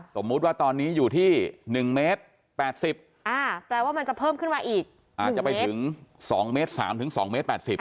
สมมุติว่าตอนนี้อยู่ที่หนึ่งเมตรแปดสิบอ่าแปลว่ามันจะเพิ่มขึ้นมาอีกอาจจะไปถึงสองเมตรสามถึงสองเมตรแปดสิบ